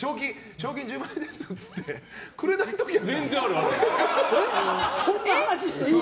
賞金１０万円ですよって言ってくれない時が。